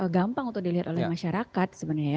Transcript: gampang untuk dilihat oleh masyarakat sebenarnya ya